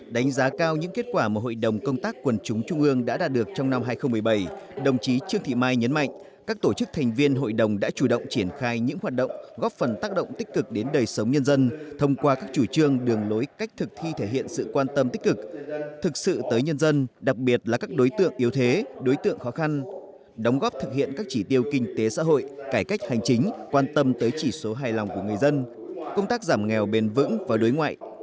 đánh giá cao những kết quả mà hội đồng công tác quần chúng trung ương đã đạt được trong năm hai nghìn một mươi bảy đồng chí trương thị mai nhấn mạnh các tổ chức thành viên hội đồng đã chủ động triển khai những hoạt động góp phần tác động tích cực đến đời sống nhân dân thông qua các chủ trương đường lối cách thực thi thể hiện sự quan tâm tích cực thực sự tới nhân dân đặc biệt là các đối tượng yếu thế đối tượng khó khăn đóng góp thực hiện các chỉ tiêu kinh tế xã hội cải cách hành chính quan tâm tới chỉ số hài lòng của người dân công tác giảm nghèo bền vững và đối ngoại